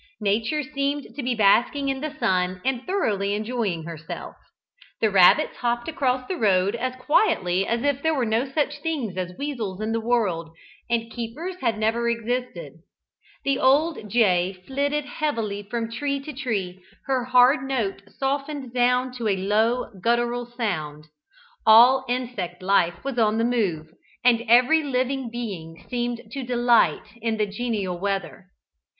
Nature seemed to be basking in the sun and thoroughly enjoying herself the rabbits hopped across the road as quietly as if there were no such things as weasels in the world, and keepers had never existed: the old jay flitted heavily from tree to tree, her hard note softened down to a low guttural sound all insect life was on the move, and every living being seemed to delight in the genial weather.